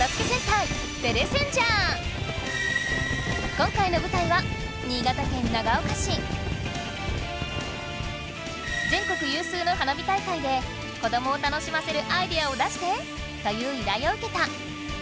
今回の舞台は全国有数の花火大会で子どもを楽しませるアイデアをだして！といういらいをうけた。